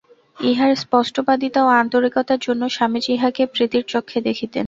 ইঁহার স্পষ্টবাদিতা ও আন্তরিকতার জন্য স্বামীজী ইঁহাকে প্রীতির চক্ষে দেখিতেন।